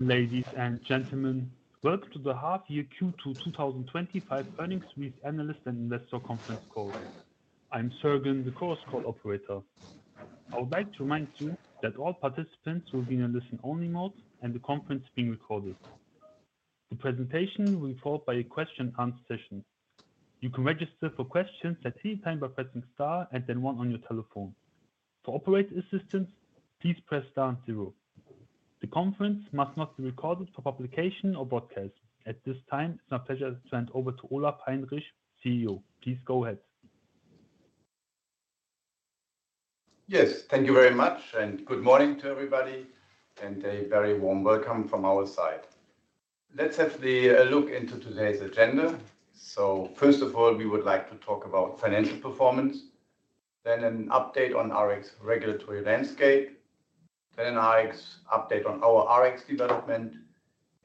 Ladies and gentlemen, welcome to the half year Q2 2025 earnings release analyst and investor conference call. I'm Sergen, the Chorus Call operator. I would like to remind you that all participants will be in a listen-only mode and the conference is being recorded. The presentation will be followed by a question and answer session. You can register for questions at any time by pressing star and then one on your telephone. For operator assistance, please press zero. The conference must not be recorded for publication or broadcast at this time. It's my pleasure to hand over to Olaf Heinrich [CEO]. Please go ahead. Yes, thank you very much and good morning to everybody and a very warm welcome from our side. Let's have a look into today's agenda. First of all, we would like to talk about financial performance, then an update on Rx regulatory landscape, then an update on our Rx development,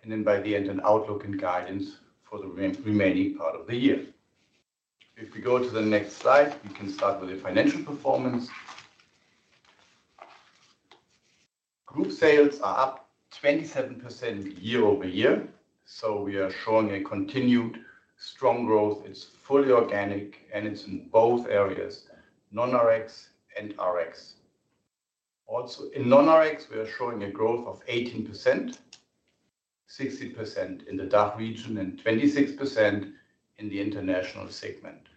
and by the end, an outlook and guidance for the remaining part of the year. If we go to the next slide, we can start with the financial performance. Group Sales are up 27% year over year. We are showing continued strong growth. It's fully organic and it's in both areas, non-Rx and Rx. Also, in non-Rx, we are showing growth of 18%, 60% in the DACH region, and 26% in the international segment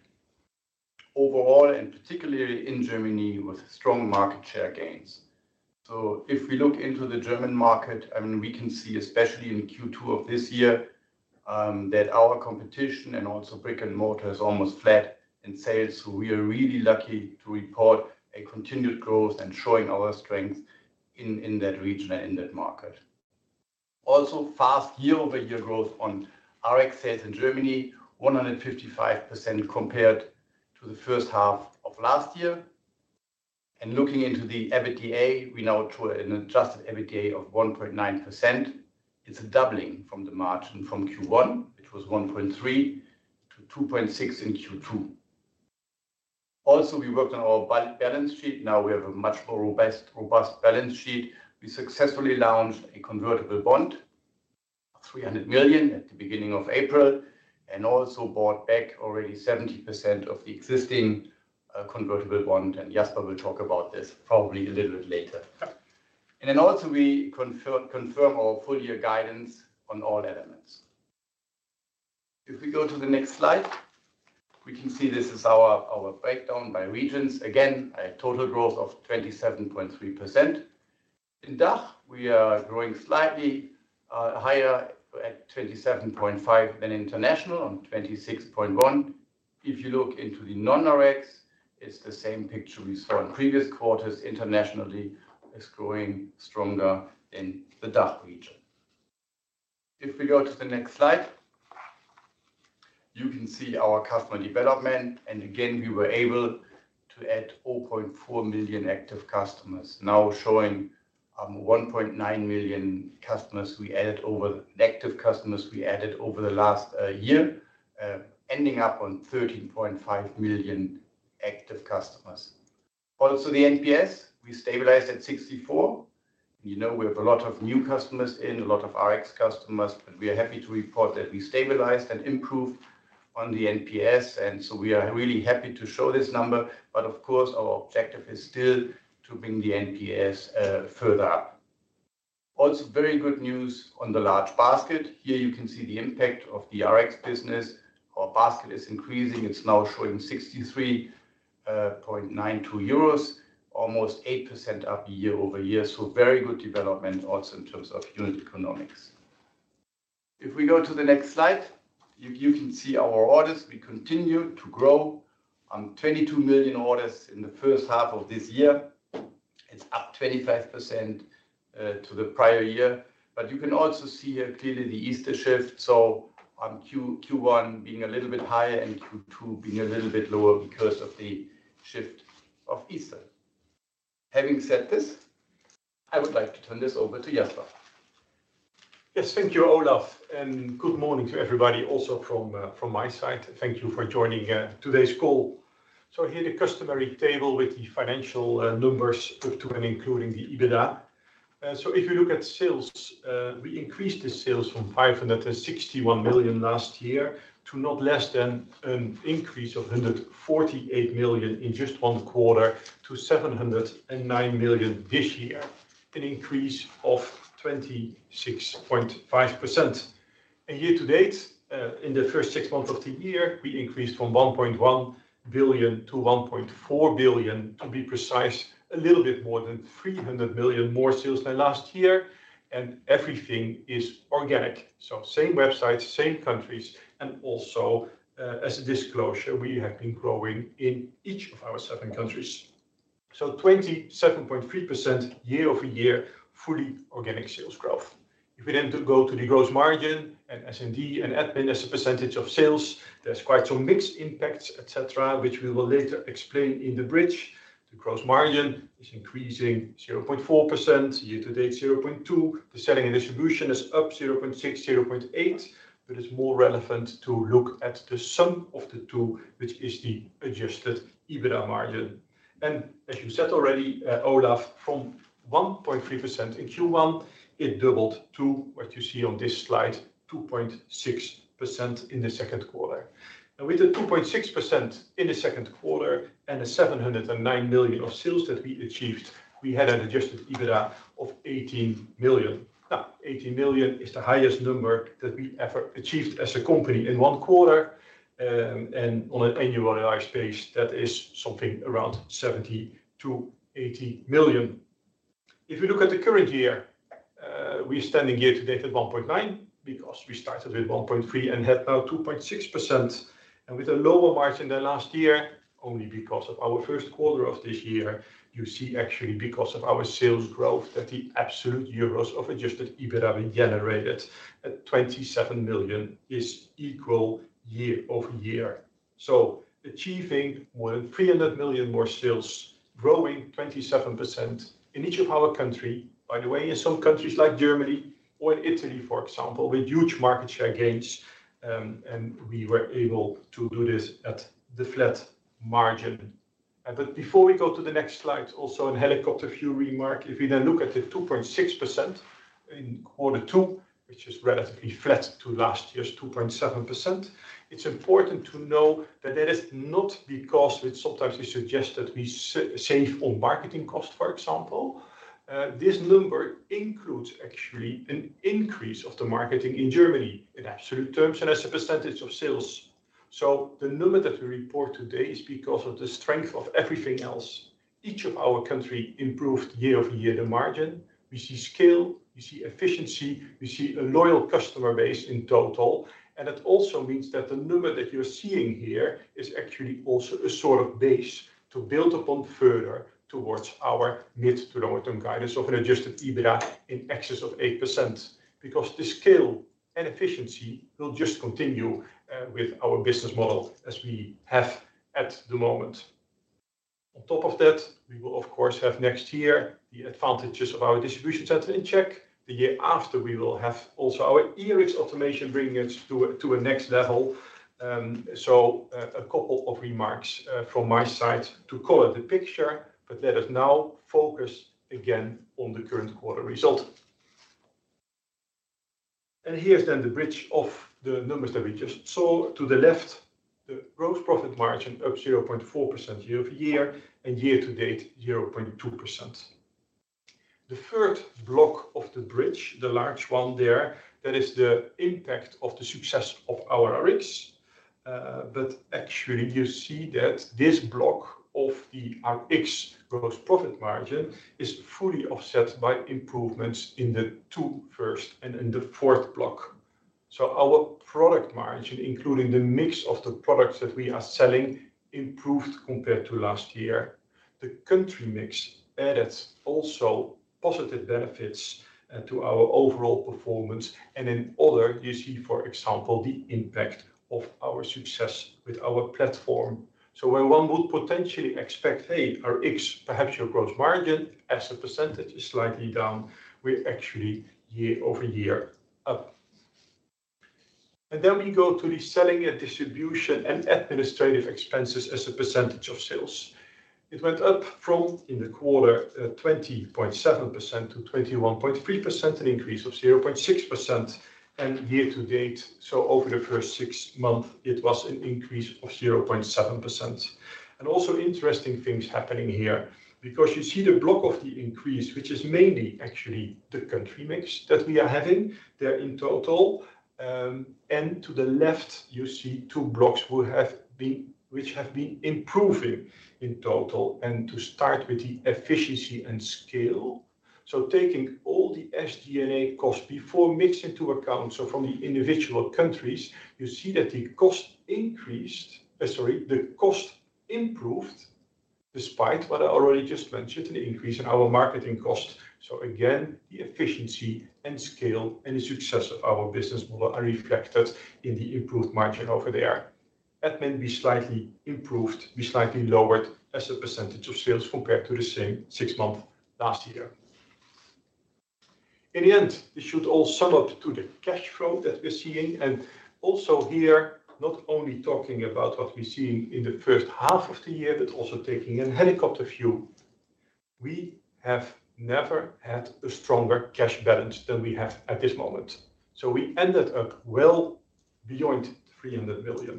overall, and particularly in Germany with strong market share gains. If we look into the German market, we can see especially in Q2 of this year that our competition and also brick and mortar is almost flat in sales. We are really lucky to report continued growth and show our strength in that region and in that market. Also, fast year-over-year growth on Rx sales in Germany, 155% compared to the first half of last year. Looking into the EBITDA, we now drew an adjusted EBITDA of 1.9%. It's a doubling of the margin from Q1, which was 1.3% to 2.6% in Q2. We worked on our balance sheet. Now we have a much more robust balance sheet. We successfully launched a convertible bond of 300 million at the beginning of April and also bought back already 70% of the existing convertible bond. Jasper will talk about this probably a little bit later. We confirm our full-year guidance on all elements. If we go to the next slide, we can see this is our breakdown by regions, again a total growth of 27.3%. In DACH, we are growing slightly higher at 27.5% than international at 26.1%. If you look into the non-Rx, it's the same picture we saw in previous quarters. Internationally, it's growing stronger than in the DACH region. If we go to the next slide, you can see our customer development. We were able to add 0.4 million active customers, now showing 1.9 million customers. We added over the last year, ending up with 13.5 million active customers. Also, the Net Promoter Score stabilized at 64. We have a lot of new customers and a lot of Rx customers. We are happy to report that we stabilized and improved the Net Promoter Score. We are really happy to show this number. Of course, our objective is still to bring the Net Promoter Score further up. Also, very good news on the large basket. Here you can see the impact of the Rx business. Our basket is increasing, now showing 63.92 euros, almost 8% up year over year. Very good development. In terms of unit economics, if we go to the next slide, you can see our orders. We continue to grow with 22 million orders in the first half of this year. It's up 25% compared to the prior year. You can also see here clearly the Easter shift, Q1 being a little bit higher and Q2 being a little bit lower because of the shift of Easter. Having said this, I would like to turn this over to Jasper. Yes, thank you, Olaf, and good morning to everybody. Also, from my side, thank you for joining today's call. Here is the customary table with the financial numbers up to and including the EBITDA. If you look at sales, we increased the sales from 561 million last year to not less than an increase of 148 million in just one quarter to 709 million this year, an increase of 26.5%. Year to date, in the first six months of the year, we increased from 1.1 billion to 1.4 billion. To be precise, a little bit more than 300 million more in sales than last year, and everything is organic — same websites, same countries. Also, as a disclosure, we have been growing in each of our seven countries, with 27.3% year-over-year fully organic sales growth. If we then go to the gross margin and S&D and admin as a percentage of sales, there are quite some mixed impacts, which we will later explain in the bridge. The gross margin is increasing 0.4% year to date, 0.2%. The selling and distribution is up 0.6 and 0.8, but it's more relevant to look at the sum of the two, which is the adjusted EBITDA margin. As you said already, Olaf, from 1.3% in Q1, it doubled to what you see on this slide, 2.6% in the second quarter. With the 2.6% in the second quarter and the 709 million of sales that we achieved, we had an adjusted EBITDA of 18 million. Now, 18 million is the highest number that we ever achieved as a company in one quarter, and on an annualized basis, that is something around 70 million to 80 million. If you look at the current year, we're standing year to date at 1.9% because we started with 1.3% and now have 2.6%, and with a lower margin than last year only because of our first quarter of this year. You see, actually, because of our sales growth, that the absolute euros of adjusted EBITDA generated at 27 million is equal year over year. Achieving more than 300 million more in sales, growing 27% in each of our countries — by the way, in some countries like Germany or Italy, for example, with huge market share gains — we were able to do this at a flat margin. Before we go to the next slide, also as a helicopter-view remark, if we then look at the 2.6% in Q2, which is relatively flat compared to last year's 2.7%, it's important to note that this is not because, as sometimes suggested, we saved on marketing costs. For example, this number actually includes an increase in marketing in Germany, both in absolute terms and as a percentage of sales. The number that we report today reflects the strength of everything else. Each of our countries improved year over year in margin. We see scale, we see efficiency, and we see a loyal customer base overall. It also means that the number you're seeing here is a solid base to build upon further toward our mid- to long-term guidance of an adjusted EBITDA in excess of 8%. The scale and efficiency will just continue with our business model as we have at the moment. On top of that, we will, of course, have next year the advantages of our distribution center in Czech. The year after, we will also have our e-Rx automation, bringing us to the next level. A couple of remarks from my side to color the picture, but let us now focus again on the current quarter result. Here is then the bridge of the numbers that we just saw to the left. The gross profit margin is up 0.4% year over year and year to date, 0.2%. The third block of the bridge — the large one there — is the impact of the success of our Rx. Actually, you can see that this block of the Rx gross profit margin is fully offset by improvements in the first two and the fourth block. Our product margin, including the mix of the products that we are selling, improved compared to last year. The country mix also added positive benefits to our overall performance. In “other,” you can see, for example, the impact of our success with our platform. When one would potentially expect that, with Rx, the gross margin as a percentage might be slightly down, we are actually up year over year. Then we go to the selling, distribution, and administrative expenses. As a percentage of sales, it went up in the quarter from 20.7% to 21.3%, an increase of 0.6%. Year to date, over the first six months, it was an increase of 0.7%. Also, interesting things are happening here because you can see that the block of the increase is mainly due to the country mix that we are having in total. To the left, you see two blocks that have been improving in total. Starting with efficiency and scale — taking all the SG&A costs before mix into account — from the individual countries, you can see that the cost improved, despite what I already mentioned about the increase in our marketing costs. Again, the efficiency, scale, and success of our business model are reflected in the improved margin over there. We slightly lowered our costs as a percentage of sales compared to the same six months last year. In the end, this should all sum up to the cash flow that we’re seeing. Also here, not only when talking about what we see in the first half of the year but also taking a helicopter view, we have never had a stronger cash balance than we have at this moment. We ended up well beyond 300 million.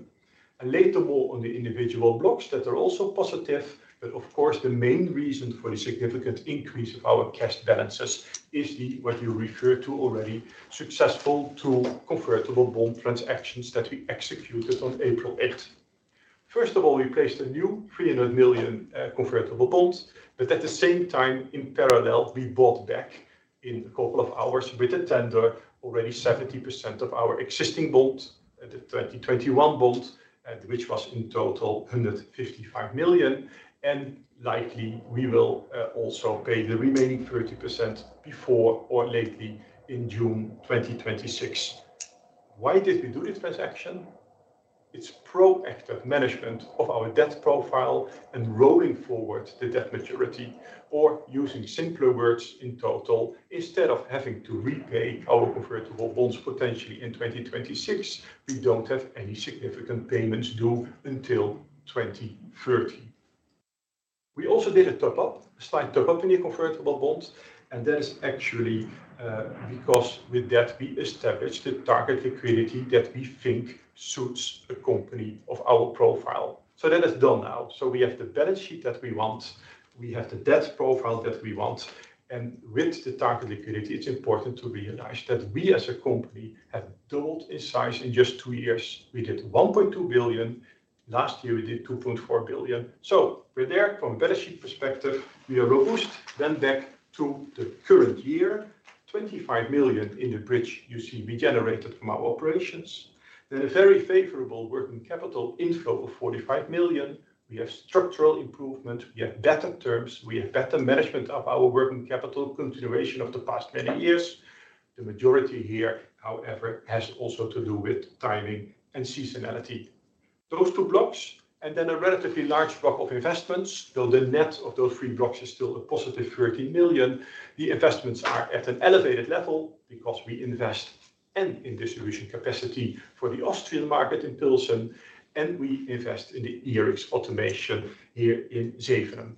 Later, more on the individual blocks that are also positive. Of course, the main reason for the significant increase in our cash balances is what you already referred to — the two successful convertible bond transactions that we executed on April 8. First, we placed a new 300 million convertible bond, and at the same time, in parallel, we bought back within a couple of hours through a tender already 70% of our existing bond, the 2021 bond, which totaled 155 million. Likely, we will also repay the remaining 30% before or by June 2026. Why did we do this transaction? It’s proactive management of our debt profile and rolling forward the debt maturity — or, in simpler words, instead of having to repay our convertible bonds potentially in 2026, we now don’t have any significant payments due until 2030. We also did a slight top-up in the convertible bonds, and that was actually to establish the target liquidity level that we believe suits a company of our profile. That is done now. We have the balance sheet that we want, and we have the debt profile that we want. With the target liquidity, it's important to realize that we, as a company, have doubled in size in just two years. We did 1.2 billion, and last year we did 2.4 billion. From a balance sheet perspective, we are robust. Back to the current year — 25 million in the bridge — you can see that we generated from our operations a very favorable working capital inflow of 45 million. We have structural improvement, better terms, and better management of our working capital, continuing the progress of the past many years. The majority here, however, also has to do with timing and seasonality — those two blocks and then a relatively large block of investments. The net of those three blocks is still a positive 30 million. The investments are at an elevated level because we are investing in distribution capacity for the Austrian market in Pilsen, and we are also investing in the e-Rx automation here in Sevenum.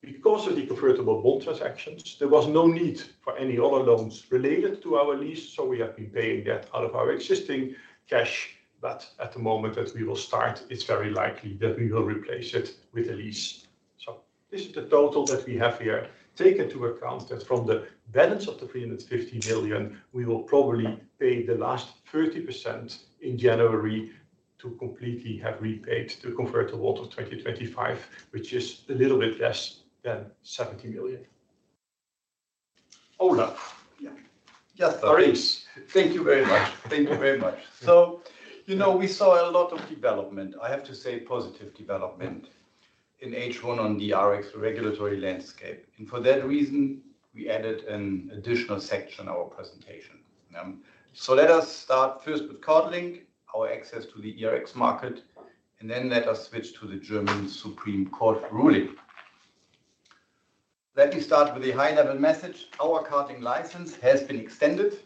Because of the convertible bond transactions, there was no need for any other loans related to our lease. We have been paying debt out of our existing cash. At the moment that we will start, it’s very likely that we will replace it with a lease. This is the total that we have here. Take into account that from the balance of the 350 million, we will probably pay the last 30% in January to completely repay the 2025 convertible, which is a little bit less than 70 million. Olaf. Yes, there is. Thank you very much. Thank you very much. We saw a lot of positive development in H1 on the Rx regulatory landscape. For that reason, we added an additional section to our presentation. Let us start first with Cardlink, our access to the e-Rx market, and then move to the German Supreme Court ruling. Let me start with the high-level message. Our Cardlink license has been extended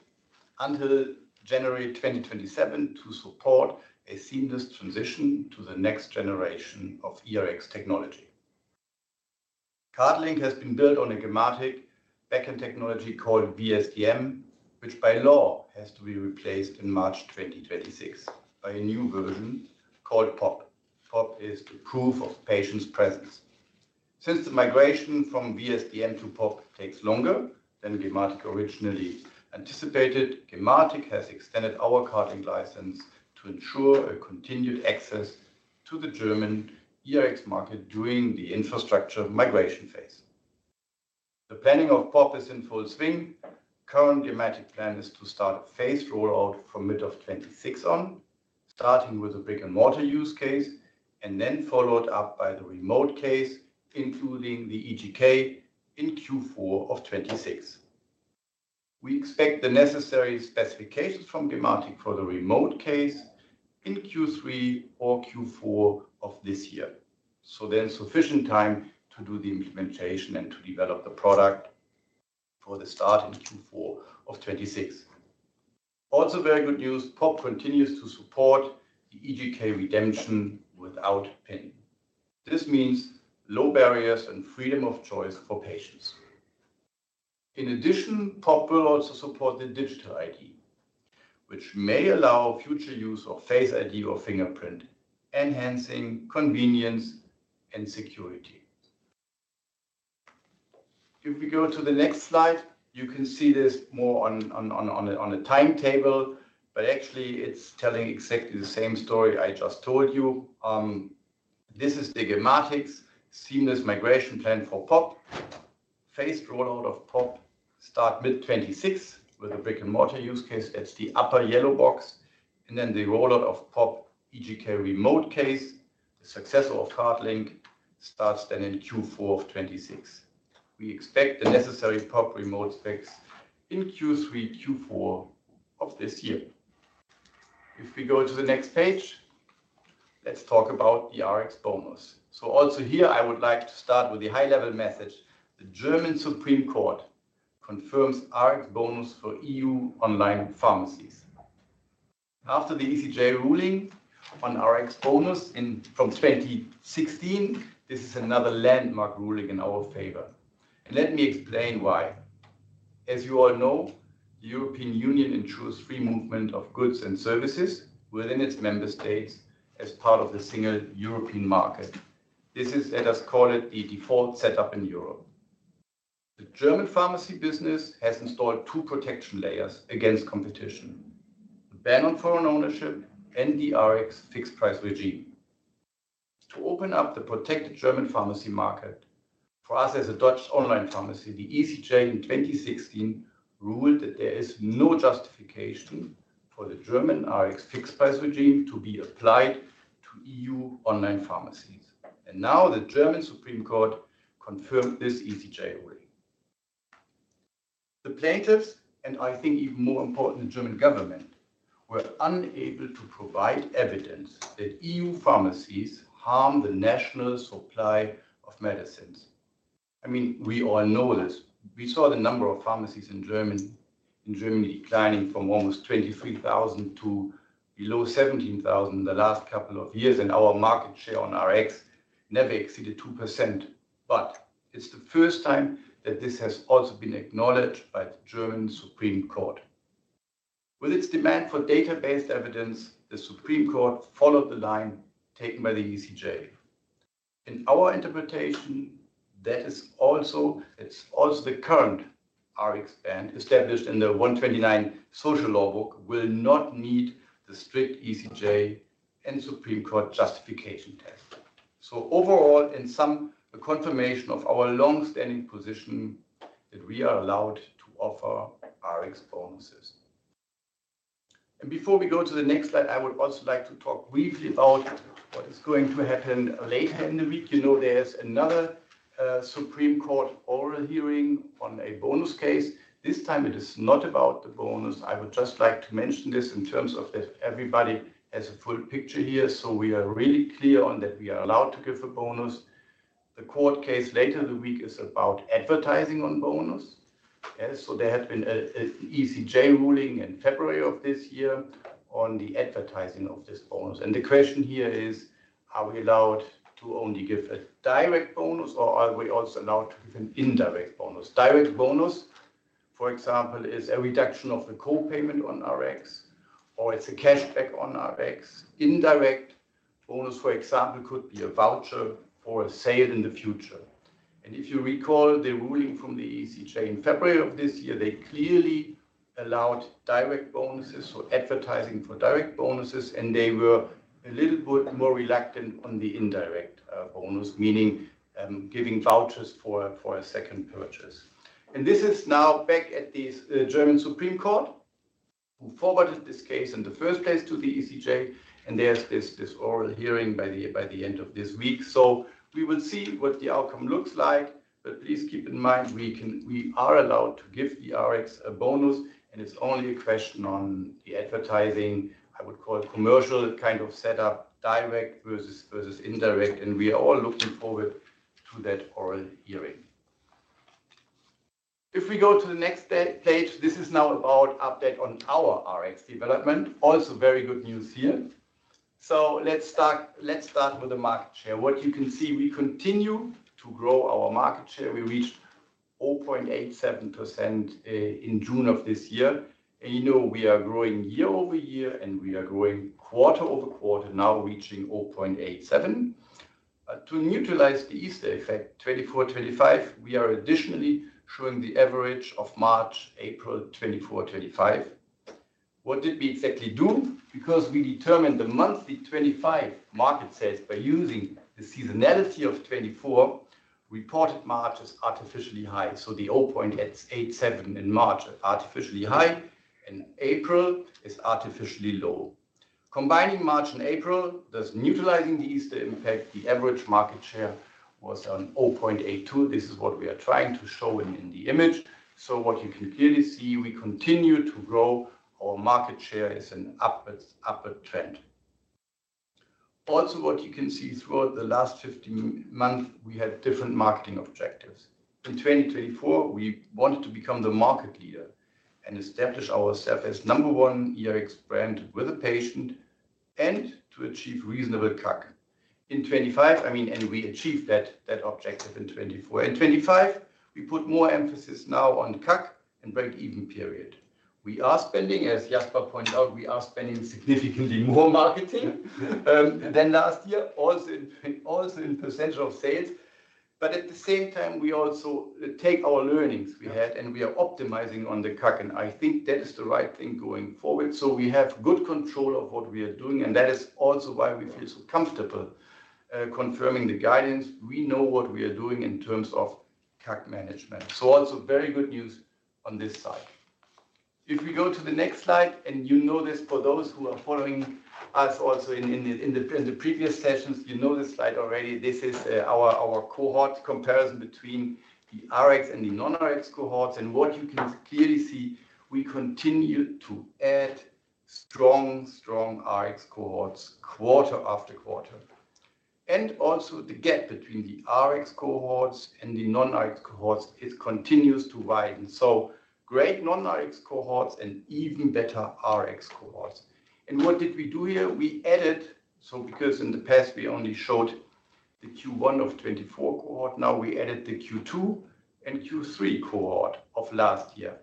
until January 2027 to support a seamless transition to the next generation of e-Rx technology. Cardlink has been built on a Gematik backend technology called VSDM, which by law has to be replaced in March 2026 by a new version called POP — Proof of Patient's Presence. Since the migration from VSDM to POP takes longer than Gematik originally anticipated, Gematik has extended our Cardlink license to ensure continued access to the German e-Rx market. During the infrastructure migration phase, the planning of POP is in full swing. The current Gematik plan is to start a phased rollout from mid-2026, beginning with a brick-and-mortar use case and followed by the remote case, including the eGK, in Q4 2026. We expect the necessary specifications from Gematik for the remote case in Q3 or Q4 of this year, giving us sufficient time to implement and develop the product for the start in Q4 2026. Also very good news — POP continues to support eGK redemption without a PIN. This means low barriers and freedom of choice for patients. In addition, POP will also support the Digital ID, which may allow future use of Face ID or fingerprint, enhancing convenience and security. If we go to the next slide, you can see this illustrated on a timetable, but it tells exactly the same story I just mentioned. This is the Gematik seamless migration plan for POP. The phased rollout of POP starts in mid-2026 with the brick-and-mortar use case — that’s the upper yellow box — and then the rollout of the POP eGK remote case, the successor of Cardlink, starts in Q4 2026. We expect the necessary POP remote specifications in Q3 or Q4 of this year. If we go to the next page, let's talk about the Rx Bonus. Also here, I would like to start with the high-level message. The German Supreme Court confirmed the Rx Bonus for EU online pharmacies following the European Court of Justice ruling on the Rx Bonus from 2016. This is another landmark ruling in our favor. Let me explain why. As you all know, the European Union ensures the free movement of goods and services within its member states as part of the single European market. This is, let’s call it, the default setup in Europe. The German pharmacy business has installed two protection layers — the ban on foreign ownership and the Rx fixed-price regime — to keep the German pharmacy market protected. The European Court of Justice in 2016 ruled that there is no justification for applying the German Rx fixed-price regime to EU online pharmacies. Now, the German Supreme Court has confirmed this European Court of Justice ruling. The plaintiffs, and even more importantly, the German government, were unable to provide evidence that EU pharmacies harm the national supply of medicines. We all know this — the number of pharmacies in Germany has declined from almost 23,000 to below 17,000 over the last few years. Our market share in Rx has never exceeded 2%. It’s the first time this has also been acknowledged by the German Supreme Court, with its demand for data-based evidence. The Supreme Court followed the line taken by the European Court of Justice in our interpretation — that the current Rx regulation, established in the SGB V, does not meet the strict justification test required by the European Court of Justice and the Supreme Court. Overall, this is a strong confirmation of our long-standing position that we are allowed to offer Rx bonuses. Before we go to the next slide, I would also like to talk briefly about what is going to happen later in the week. There’s another Supreme Court oral hearing on a bonus case. This time, however, it’s not about the bonus itself. I just want to mention this so that everyone has the full picture. We are very clear on this — we are allowed to give a bonus. The court case later this week concerns the advertising of the bonus. There was a European Court of Justice ruling in February of this year on the advertising of this bonus. The question now is whether we are allowed to offer only a direct bonus, or also an indirect one. A direct bonus, for example, is a reduction of the co-payment on Rx or a cashback on Rx. An indirect bonus, for example, could be a voucher for a future sale. If you recall the ruling from the European Court of Justice in February of this year, they clearly allowed advertising for direct bonuses. However, they were a bit more reluctant regarding indirect bonuses — meaning vouchers for a second purchase. This case is now back at the German Supreme Court, which had originally referred it to the European Court of Justice. The oral hearing will take place at the end of this week, and we will see what the outcome looks like. Please keep in mind, we are allowed to give the Rx bonus — this is only a question of advertising. I would call it more of a commercial setup: direct versus indirect. We are all looking forward to that oral hearing. If we go to the next page, this is now about an update on our Rx development. Also, very good news here. Let’s start with the market share. As you can see, we continue to grow our market share — we reached 0.87% in June of this year. We are growing year over year and quarter over quarter, now reaching 0.87%. To neutralize the Easter effect between 2024 and 2025, we are also showing the average of March 2024 and 2025. What exactly did we do? We determined the monthly 2025 market share by using the reported seasonality of 2024. March is artificially high, so the 0.87% in March is artificially high, and April is artificially low. By combining March and April, thus neutralizing the Easter impact, the average market share is 0.82%. This is what we are showing in the image. What you can clearly see is that we continue to grow our market share — it’s an upward trend. Also, over the past 15 months, we have pursued different marketing objectives. In 2024, we wanted to become the market leader and establish ourselves as the number one e-Rx brand with patients, while achieving a reasonable CAC in 2025. We achieved that objective in 2024, and in 2025 we are putting more emphasis on the break-even period. As Jasper Eenhorst pointed out, we are spending significantly more on marketing than last year, also as a percentage of sales. At the same time, we are applying our learnings and optimizing the CAC. I believe that’s the right approach going forward. We have good control over what we are doing, and that’s why we feel comfortable confirming our guidance. We know what we are doing in terms of CAC management, so very good news on this side as well. If we go to the next slide — and for those who have followed us in previous sessions, you’ll recognize this slide — this is our cohort comparison between the Rx and non-Rx cohorts. What you can clearly see is that we continue to add strong Rx cohorts quarter after quarter. Also, the gap between the Rx and non-Rx cohorts continues to widen. Great non-Rx cohorts and even better Rx cohorts. What did we do here? In the past, we only showed the Q1 2024 cohort, but now we have added the Q2 and Q3 cohorts from last year.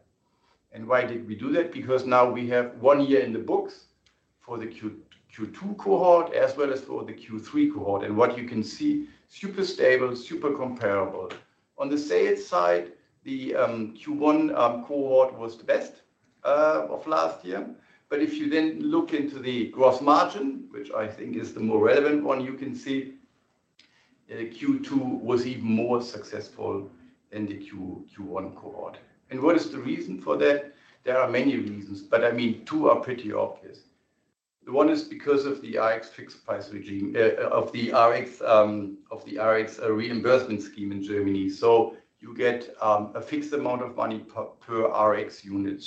Why did we do that? Because we now have one full year of data for both the Q2 and Q3 cohorts. You can see that the results are super stable and highly comparable. On the sales side, the Q1 cohort was the best of last year. If you then look at the gross margin, which I think is the more relevant one, you can see that Q2 was even more successful than the Q1 cohort. What is the reason for that? There are many reasons, but two are pretty obvious. One is due to the Rx fixed-price regime of the Rx reimbursement scheme in Germany — you receive a fixed amount of money per Rx unit.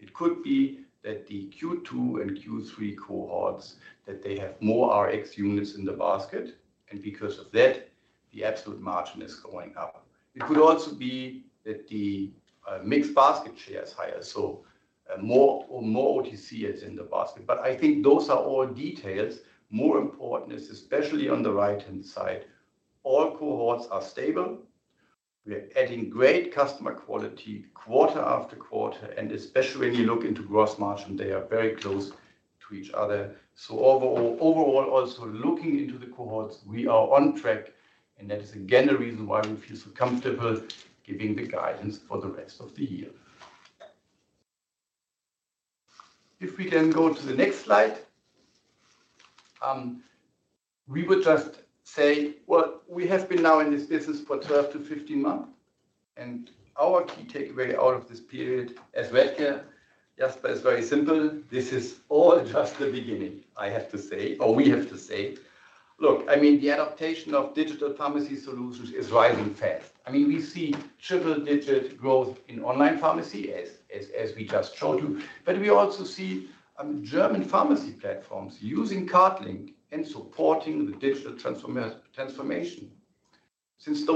It could be that the Q2 and Q3 cohorts have more Rx units in the basket, and because of that, the absolute margin is going up. It could also be that the mixed basket share is higher, meaning there is more OTC in the basket. I think those are all details. More importantly, especially on the right-hand side, all cohorts are stable. We’re adding great customer quality quarter after quarter, and when you look at the gross margin, they are very close to each other. Overall, looking at the cohorts, we are on track. That is again the reason why we feel so comfortable giving the guidance for the rest of the year. Since those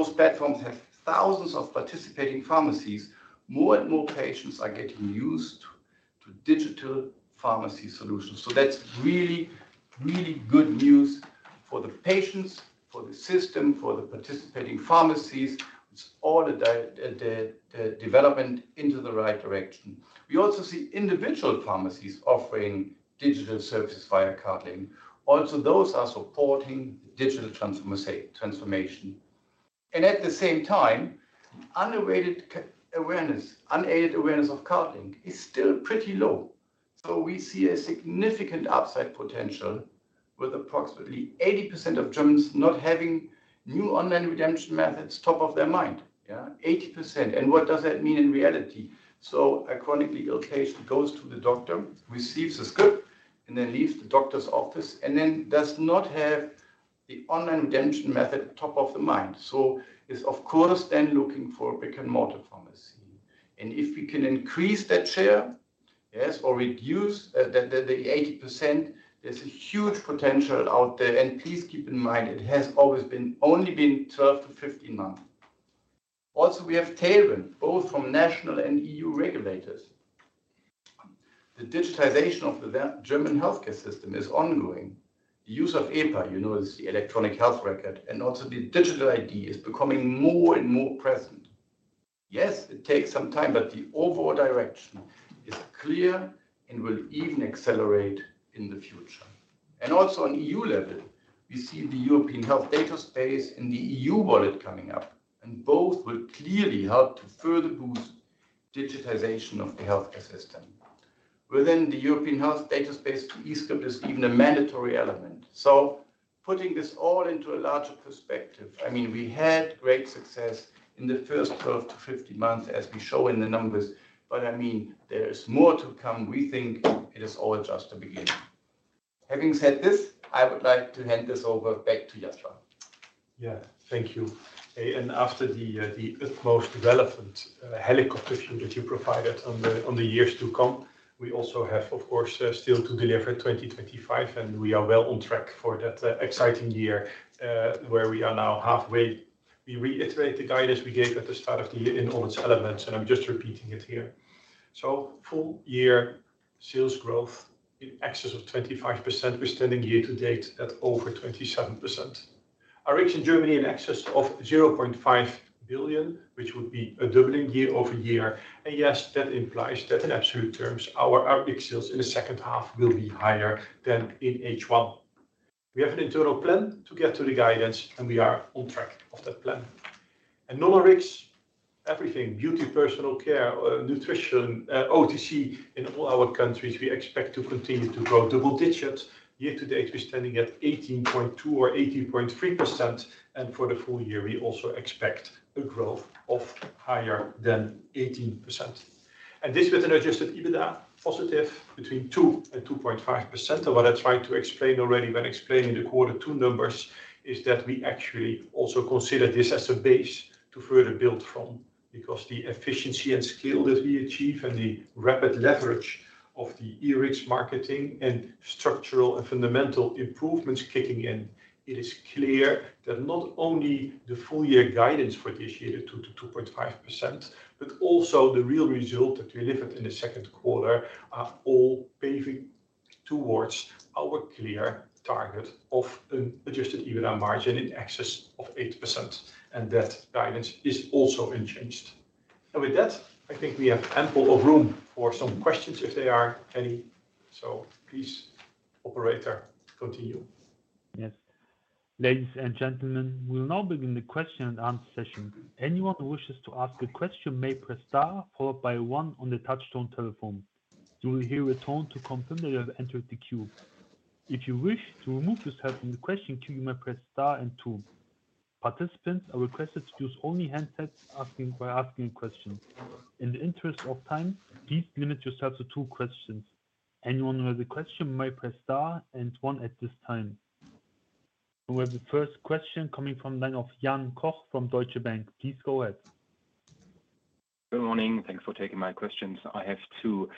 platforms have thousands of participating pharmacies, more and more patients are becoming accustomed to digital pharmacy solutions. That’s really good news — for the patients, for the system, and for the participating pharmacies. It’s all developing in the right direction. We also see individual pharmacies offering digital services via Cardlink, which are also supporting the digital transformation. If we can increase that share — or reduce the 80% — there’s huge potential ahead of us. Please keep in mind, it has only been 12 to 15 months. We have tailwinds from both national and EU regulators. The digitization of the German healthcare system is ongoing. The use of the ePA — the Electronic Health Record — and also the Digital ID is becoming more and more widespread. Yes, it takes some time, but the overall direction is clear and will only accelerate in the future. Putting this all into a larger perspective, we have had great success in the first 12 to 15 months, as shown in the numbers — and there is more to come. We believe this is only the beginning. Having said that, I would like to hand it back over to Jasper. Thank you. After the highly relevant helicopter view that you provided on the years to come, we also, of course, still have to deliver 2025 — and we are well on track for that exciting year ahead. We are now halfway. We reiterate the guidance we gave at the start of the year in all its elements, and I’ll just repeat it here. Full-year sales growth in excess of 25% — we’re currently standing year to date at over 27%. Our Rx sales in Germany are expected to exceed 0.5 billion, which would represent a doubling year over year. Yes, that implies that, in absolute terms, our sales in the second half will be higher than in H1. We have an internal plan to reach this guidance, and we are on track with that plan. What I tried to explain already when discussing the Q2 numbers is that we actually consider this as a base to further build upon. With the efficiency and scale we’ve achieved, along with the rapid leverage from e-Rx marketing and the structural and fundamental improvements kicking in, it’s clear that not only the full-year guidance of up to 2.5% but also the actual results we delivered in the second quarter are paving the way toward our clear target of an adjusted EBITDA margin in excess of 8%. That guidance remains unchanged. Yes. Ladies and gentlemen, we will now begin the question and answer session. Anyone who wishes to ask a question may press star followed by one on the touchtone telephone. You will hear a tone to confirm that you have entered the queue. If you wish to remove yourself from the question queue, you may press star and two. Participants are requested to use only handsets when asking a question. In the interest of time, please limit yourself to two questions. Anyone who has a question may press star and one at this time. We have the first question coming from Jan Koch from Deutsche Bank. Please go ahead. Good morning, and thanks for taking my questions. I have two.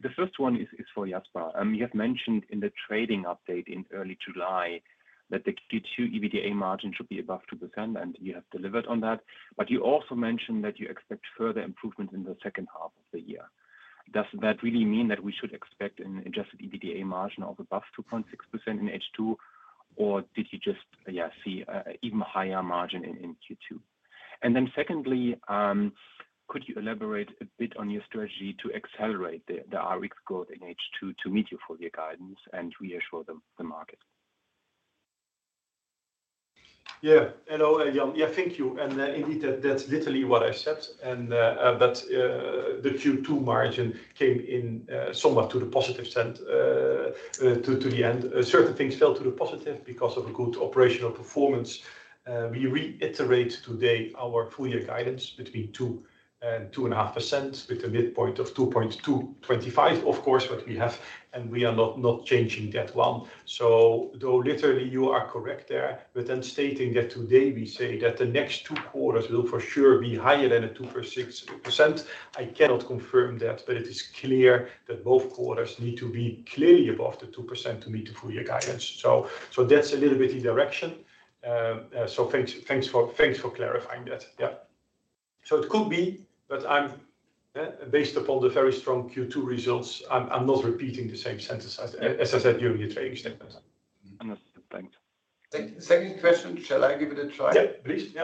The first one is for Jasper. You mentioned in the trading update in early July that the Q2 EBITDA margin should be above 2%, and you have delivered on that. You also mentioned that you expect further improvement in the second half of the year. Does that mean we should expect an adjusted EBITDA margin above 2.6% in H2, or did you just see an even higher margin in Q2? Yeah, hello Jan. Thank you. Indeed, that’s literally what I said. The Q2 margin came in somewhat on the positive side. In the end, certain things turned out positively because of strong operational performance. We reiterate today our full-year guidance between 2% and 2.5%, with a midpoint of 2.225%. Of course, we have that, and we are not changing it. Thanks. Second question. Shall I give it a try? Yeah, please.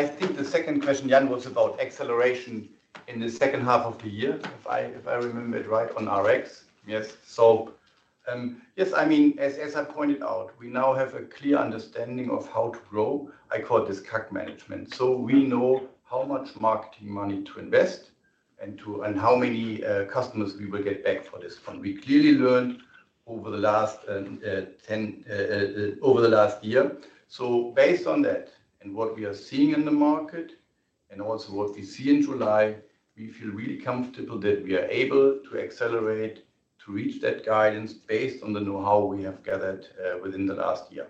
I think the second question, Jan, was about acceleration in the second half of the year — if I remember correctly, on Rx. Yes. As I pointed out, we now have a clear understanding of how to grow. I call this CAC management — we know how much marketing money to invest and how many customers we will get back for that spend. We’ve learned a lot over the last year. Based on that, and on what we’re seeing in the market and in July, we feel very comfortable that we’ll be able to accelerate and reach the guidance, based on the know-how we’ve gathered over the past year.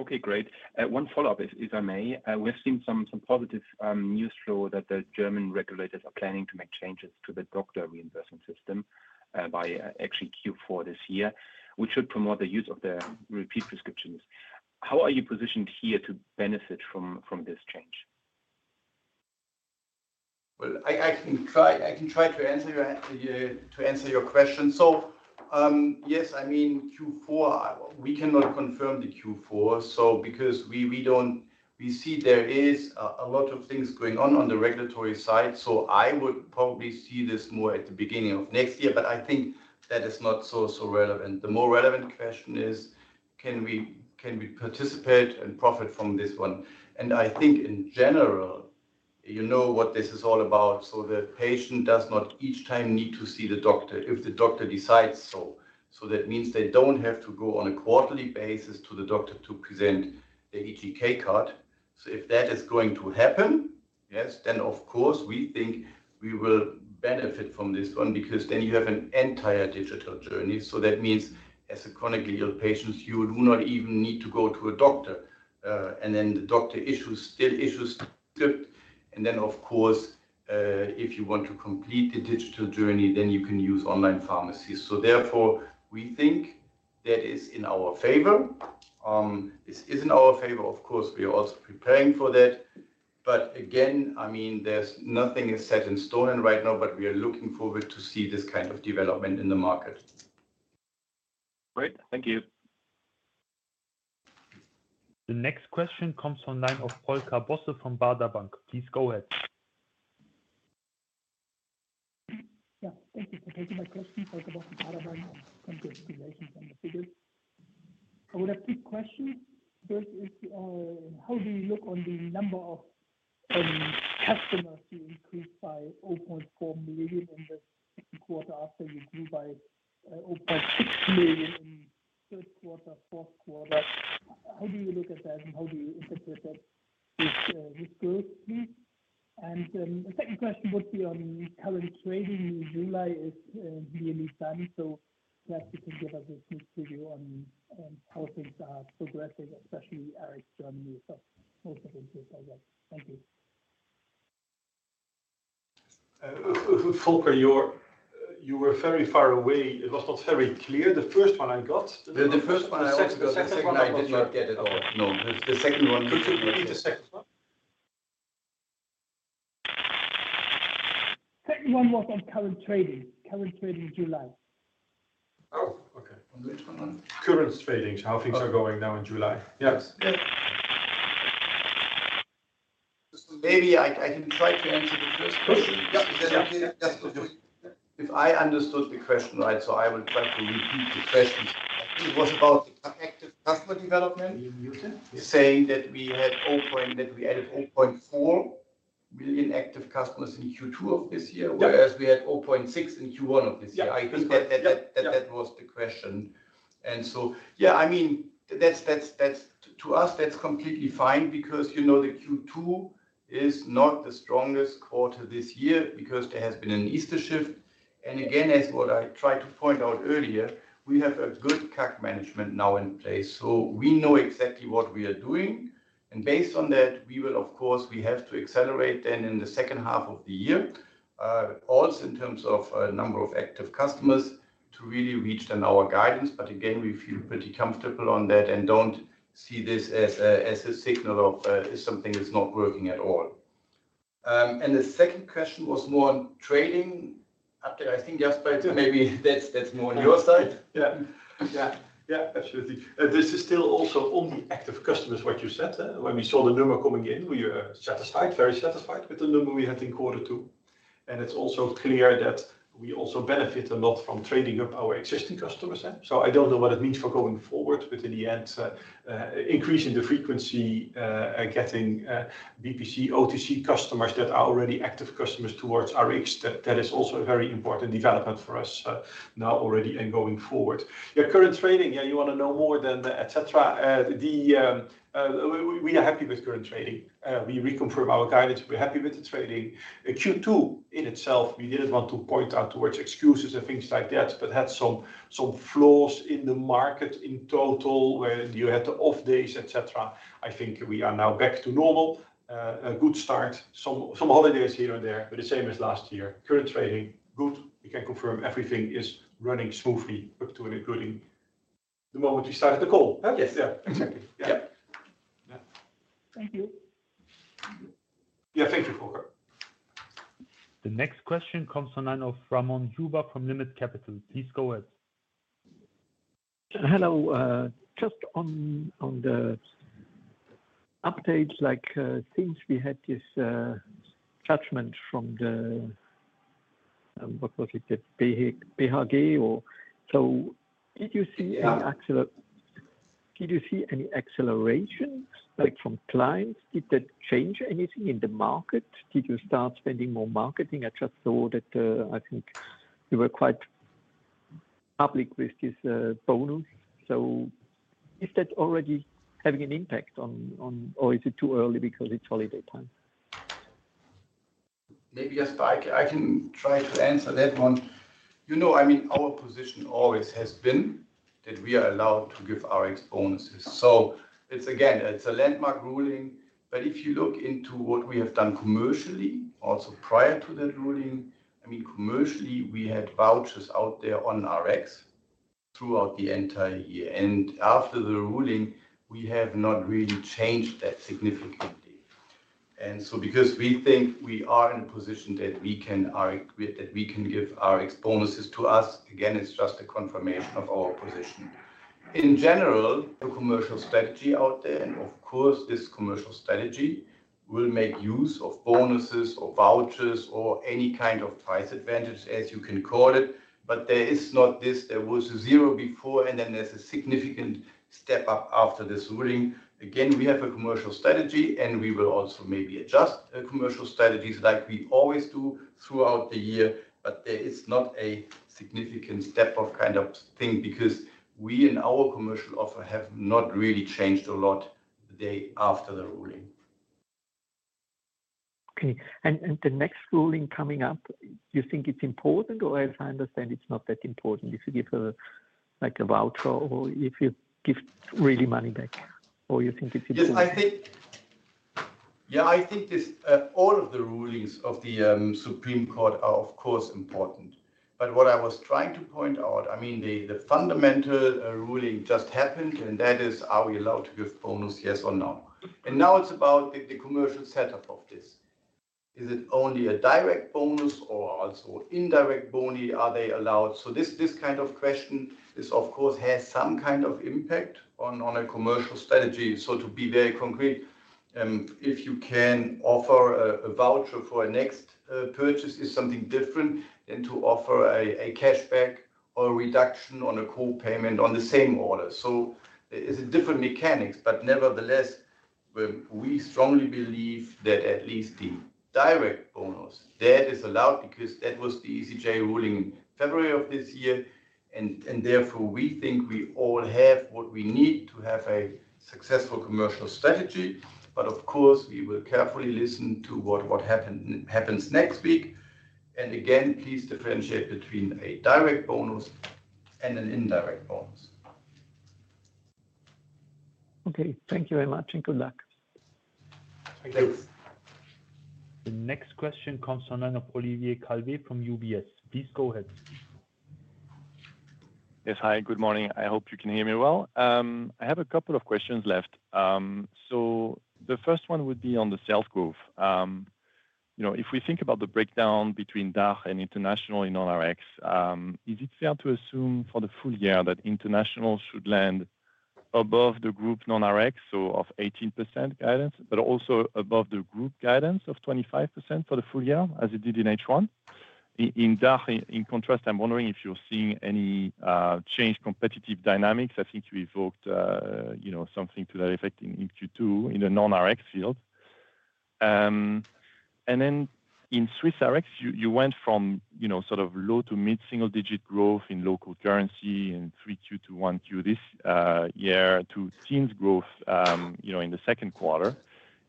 Okay, great. Okay, great. Follow-up, if I may. We’ve seen some positive news showing that the German regulators are planning to make changes to the Rx reimbursement system by Q4 this year, which should promote the use of repeat prescriptions. How are you positioned to benefit from this change? I can try to answer your question. Yes — regarding Q4, we cannot confirm that timeline because there’s still a lot happening on the regulatory side. I would probably expect this more toward the beginning of next year, but I think that’s not the most relevant point. The more relevant question is whether we can participate in and benefit from this change — and I think, in general, you know what this is about. The patient will no longer need to see the doctor each time if the doctor decides so. That means they won’t have to visit the doctor on a quarterly basis just to present the eGK card. If that happens, then yes — we believe we will benefit from it, because it will enable a fully digital journey. That means as a chronically ill patient, you do not even need to go to a doctor, and then the doctor still issues script. Of course, if you want to complete the digital journey, then you can use online pharmacies. Therefore, we think that is in our favor. This is in our favor. Of course, we are also preparing for that. Again, I mean, there's nothing set in stone right now, but we are looking forward to see this kind of development in the market. Great, thank you. The next question comes from Volker Bosse from Baader Bank. Please go ahead I have two questions. First, how do you view the increase of 0.4 million customers in the second quarter after growing by 0.6 million in the third and fourth quarters? How do you interpret this growth? Volker, you were very far away — it was not very clear. I got the first one, though. The second one, I did not get at all. No, the second one, could you repeat the second one? Second one was on current trading, current trading, July. Oh, okay. Current trading, how things are going now in July. Yes. Maybe I can try to answer the first question, if I understood it correctly. I’ll try to repeat it — it was about active customer development, noting that we added 0.4 million active customers in Q2 of this year, whereas we had 0.6 million in Q1. I think that was the question. We feel pretty comfortable on that and don't see this as a signal that something is not working at all. The second question was more on trading after, I think Jasper, maybe that's more on your side. Yeah, absolutely. Still on the active customers — as you said, when we saw the number coming in, we were very satisfied with the Q2 result. It’s also clear that we benefit a lot from trading up our existing customers. I don’t know what it exactly means for the quarters ahead, but increasing purchase frequency and moving BPC and OTC customers — who are already active — toward Rx is a very important development for us, both now and going forward. I think we’re now back to normal. It’s been a good start — a few holidays here and there, but about the same as last year. Current trading is good, and we can confirm everything is running smoothly, right up to the moment we started the call. Thank you. Yeah, thank you. The next question comes online of Ramon Juba from Limit Capital. Please go ahead. Hello. Since the judgment from the European Court of Justice, have you seen any acceleration from clients? Has that changed anything in the market? Maybe a spike? I can try to answer that one. I mean, our position always has been that we are allowed to give Rx bonuses. It's a landmark ruling. If you look into what we have done commercially also prior to that ruling, we had vouchers out there on Rx throughout the entire year. After the ruling, we have not really changed that significantly. We think we are in a position that we can give Rx bonuses. To us, it's just a confirmation of our position in general, the commercial strategy out there. Of course, this commercial strategy will make use of bonuses or vouchers or any kind of price advantage, as you can call it. There is not this, there was a zero before and then there's a significant step up after this ruling. We have a commercial strategy, and we’ll continue to adjust it as we always do throughout the year. There hasn’t been any significant step change, because our commercial offering didn’t really change much the day after the ruling. Okay. Regarding the next ruling coming up — do you think it’s important? As I understand it, it’s not that significant whether you offer a voucher or actual money back, or do you think it matters? I think all rulings from the German Supreme Court are, of course, important. What I wanted to highlight is that the fundamental ruling — whether we’re allowed to give bonuses, yes or no — has already been decided. Therefore, we believe we have everything we need to maintain a successful commercial strategy. Of course, we’ll carefully follow what happens next week. Again, it’s important to distinguish between a direct bonus and an indirect bonus. Okay, thank you very much and good luck. Thank you. The next question comes from Olivier Calvi from UBS. Please go ahead. Yes, hi, good morning. I hope you can hear me. I have a couple of questions left. In SwissRx, growth moved from mid–single-digit levels in local currency in Q1 this year to the teens in the second quarter.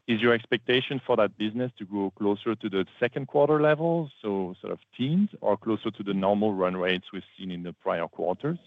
Is your expectation for that business to continue growing closer to the second-quarter level — around the teens — or to return to the more typical run rates we’ve seen in prior quarters?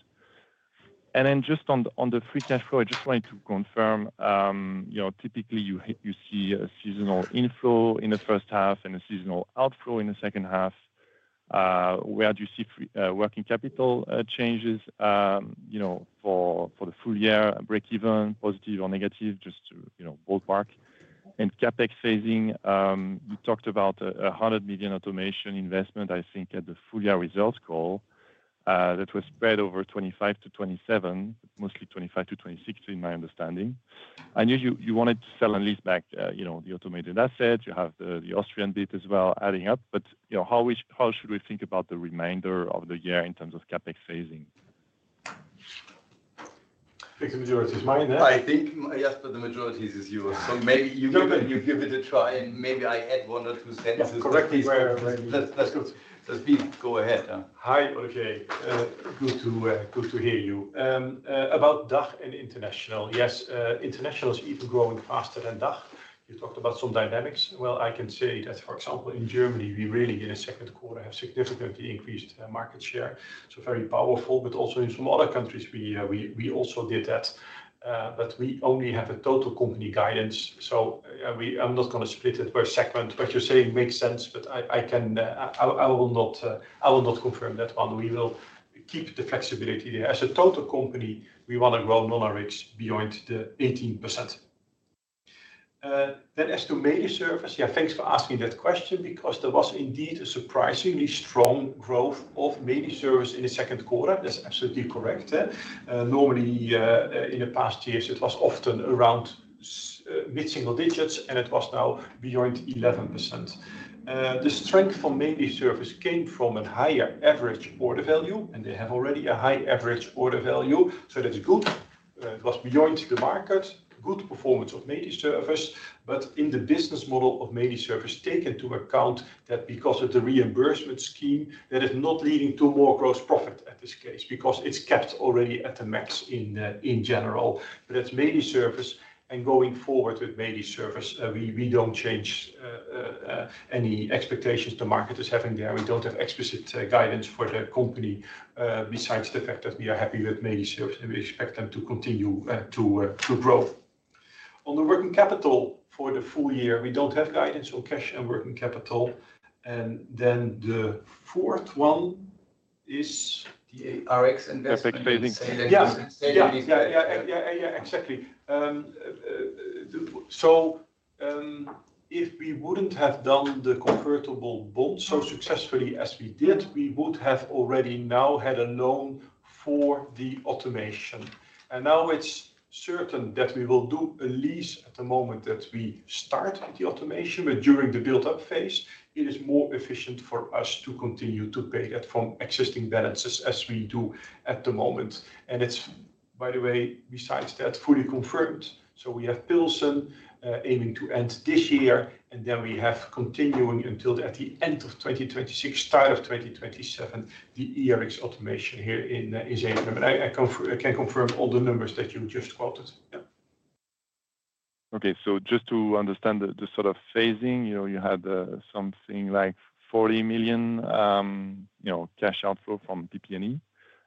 I think yes, the majority is. Yours, so maybe you go ahead. You give it a try, and maybe I add one or two sentences correctly. Go ahead. Hi, Olaf. Good to hear your comments about DACH and International. Yes, International is growing even faster than DACH. You mentioned some dynamics — for example, in Germany, we significantly increased our market share in the second quarter, which was very strong. The strength in mail service came from a higher average order value — which was already high to begin with — and that’s a good sign. Mail service performed beyond the market, showing strong results. If we hadn’t completed the convertible bond so successfully, we would already have taken a loan for the automation. Now, it’s certain that we’ll move forward with a lease once the automation begins. Okay, just to clarify the phasing — you had roughly €40 million of cash outflow from PPE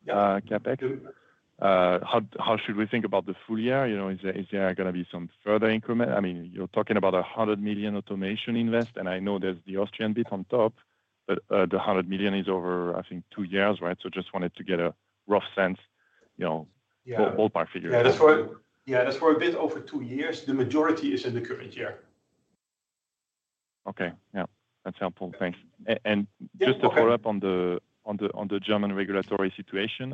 CapEx. How should we think about the full year? Will there be a further increase? You mentioned a €100 million automation investment, and I know there’s the Austrian component on top of that, but the €100 million covers about two years, right? I just wanted a rough, ballpark sense of that. Yes, that’s spread over a little more than two years, with the majority falling in the current year. Okay, yeah, that's helpful, thanks. Just to follow up on the German regulatory situation,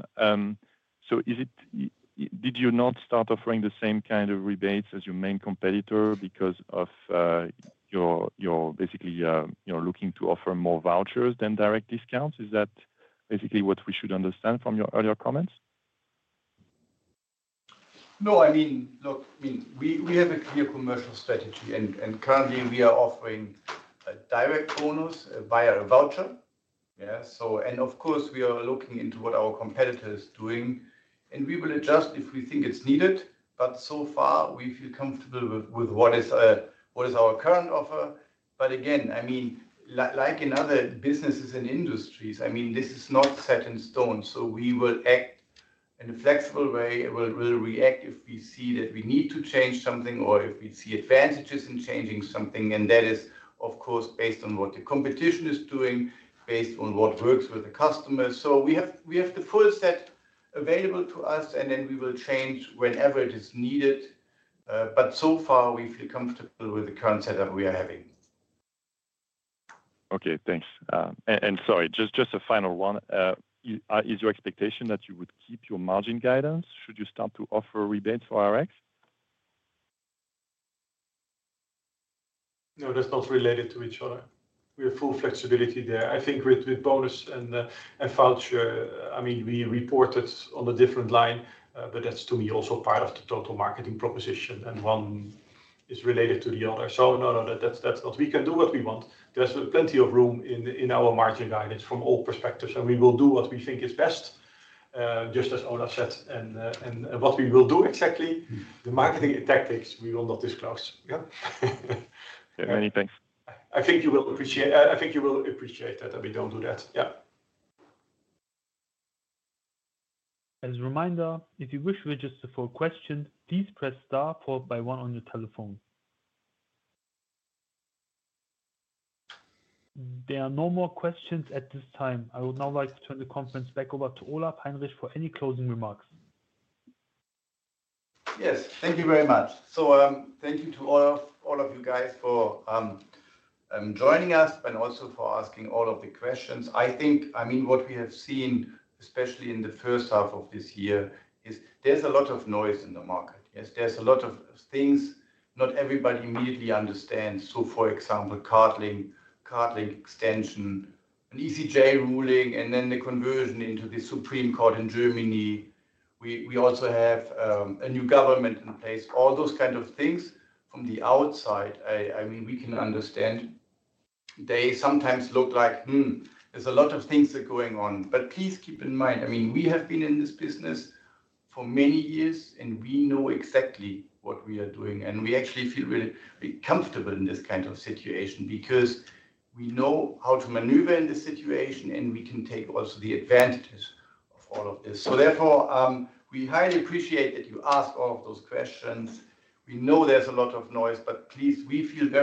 did you not start offering the same kind of rebates as your main competitor because you're basically looking to offer more vouchers than direct discounts? Is that basically what we should understand from your earlier comments? No. We have a clear commercial strategy, and currently we’re offering a direct bonus through a voucher. Of course, we monitor what our competitors are doing and will adjust if we believe it’s necessary. Okay, thanks. Sorry, just one final question — is it your expectation that you would maintain your margin guidance if you were to start offering rebates for Rx? No, that’s not related. We have full flexibility when it comes to bonuses and vouchers. We report them under a different line, but they’re part of the overall marketing proposition — one element relates to the other. As a reminder, if you wish to register for a question, please press *1 on your telephone keypad. There are no further questions at this time. I’d now like to turn the conference back over to Olaf Heinrich for any closing remarks. Yes, thank you very much. Thanks to all of you for joining us and for your questions. Please Please keep in mind, we’ve been in this business for many years and know exactly what we’re doing. We actually feel very comfortable in this kind of environment because we understand how to navigate it and how to take advantage of the opportunities it presents.